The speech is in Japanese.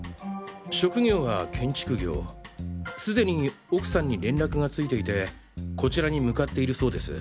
職業は建築業既に奥さんに連絡がついていてこちらに向かっているそうです。